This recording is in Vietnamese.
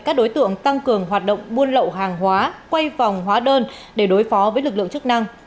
các đối tượng tăng cường hoạt động buôn lậu hàng hóa quay vòng hóa đơn để đối phó với lực lượng chức năng